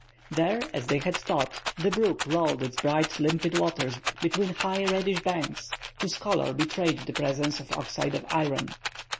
There, as they had thought, the brook rolled its bright limpid waters between high, reddish banks, whose color betrayed the presence of oxide of iron.